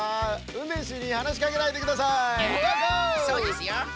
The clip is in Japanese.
そうですよ。